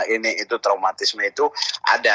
ini itu traumatisme itu ada